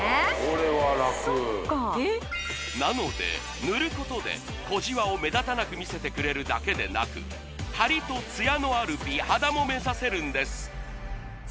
これは楽そっかなので塗ることで小じわを目立たなく見せてくれるだけでなくハリとつやのある美肌も目指せるんです